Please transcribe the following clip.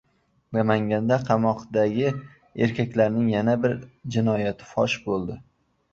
Namanganda qamoqdagi erkakning yana bir jinoyati fosh bo‘ldi